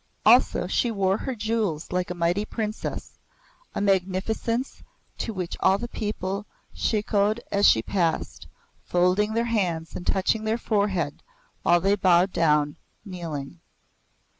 Also she wore her jewels like a mighty princess, a magnificence to which all the people shikoed as she passed, folding their hands and touching the forehead while they bowed down, kneeling.